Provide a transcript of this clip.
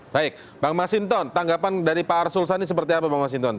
baik bang mas hinton tanggapan dari pak arsul sani seperti apa bang mas hinton